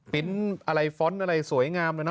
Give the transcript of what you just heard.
ปริ้นต์อะไรฟอนต์อะไรสวยงามเลยนะ